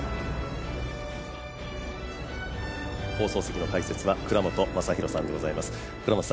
放送席の解説は倉本昌弘さんでございます。